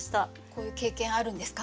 こういう経験あるんですか？